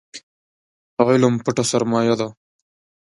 علم پټه سرمايه ده